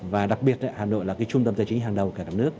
và đặc biệt hà nội là trung tâm tài chính hàng đầu cả nước